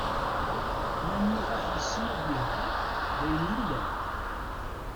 Ma nniɣ-ak yessen ad yehder, d ayen yellan.